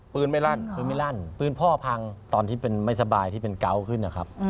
ปืนไม่ลั่นปืนไม่ลั่นปืนพ่อพังตอนที่เป็นไม่สบายที่เป็นเกาะขึ้นนะครับ